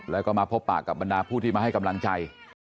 แล้วก็มาพบปากกับบรรดาผู้ที่มาให้กำลังใจ